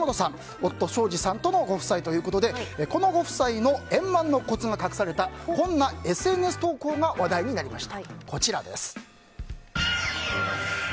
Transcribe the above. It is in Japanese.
夫・庄司さんとのご夫妻ということでこのご夫妻の円満のコツが隠されたこんなＳＮＳ投稿が話題になりました。